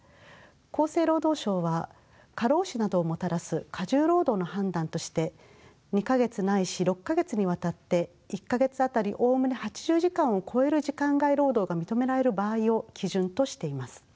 厚生労働省は過労死などをもたらす過重労働の判断として「２か月間ないし６か月間にわたって１か月当たりおおむね８０時間を超える時間外労働が認められる場合」を基準としています。